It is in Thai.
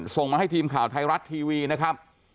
ส่งมาให้ทีมข่าวไทยรัฐทีวีนะครับ